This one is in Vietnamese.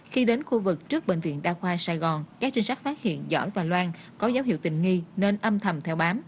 khi đến khu vực trước bệnh viện đa khoa sài gòn các trinh sát phát hiện giỏi và loan có dấu hiệu tình nghi nên âm thầm theo bám